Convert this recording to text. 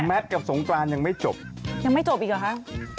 กับสงกรานยังไม่จบยังไม่จบอีกหรอคะ